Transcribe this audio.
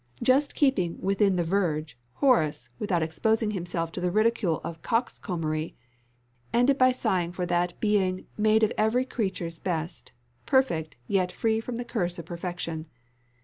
Just keeping within the verge, Horace, without exposing himself to the ridicule of coxcombry, ended by sighing for that being 'made of every creature's best' perfect, yet free from the curse of perfection.